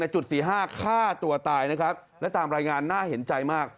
จุด๔๕ฆ่าตัวตายนะครับและตามรายงานน่าเห็นใจมาก